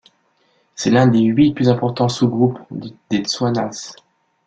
C'est l'un des huit plus importants sous-groupes des Tswanas.